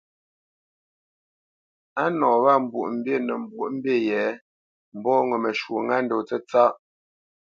A nɔ wâ Mbwoʼmbî nə mbwoʼnə́ mbî yě mbɔ́ ŋo məshwɔ̌ ŋá ndó tsətsâ .